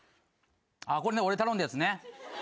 これ俺頼んだやつね。